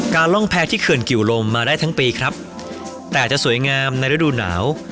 ร่องแพ้ที่เขื่อนกิวลมมาได้ทั้งปีครับแต่จะสวยงามในฤดูหนาว